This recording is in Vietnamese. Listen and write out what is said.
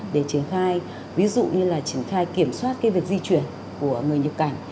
để triển khai ví dụ như là triển khai kiểm soát việc di chuyển của người nhập cảnh